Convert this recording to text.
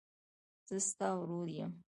زه ستا ورور یم.